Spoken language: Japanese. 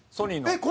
えっ！